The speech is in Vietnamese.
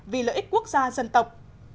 vì lợi ích quốc gia dân tộc